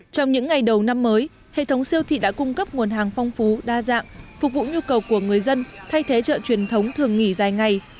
trong những ngày đầu năm mới hệ thống siêu thị đã cung cấp nguồn hàng phong phú đa dạng phục vụ nhu cầu của người dân thay thế chợ truyền thống thường nghỉ dài ngày